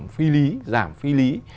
phi lý giảm phi lý